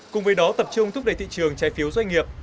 cùng với đó tập trung thúc đẩy thị trường trái phiếu doanh nghiệp